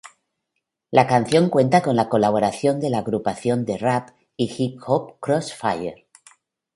La canción cuenta con la colaboración de la agrupación de rap y hip-hop Crossfire.